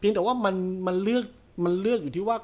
เพียงแต่ว่ามันมันเลือกมันเลือกอยู่ที่ว่า